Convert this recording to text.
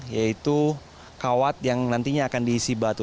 yaitu kawat yang nantinya akan diisi batu